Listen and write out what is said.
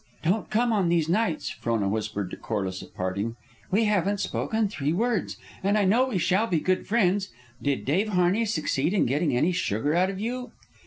"Don't come on these nights," Frona whispered to Corliss at parting. "We haven't spoken three words, and I know we shall be good friends. Did Dave Harney succeed in getting any sugar out of you?"